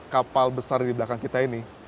kapal besar di belakang kita ini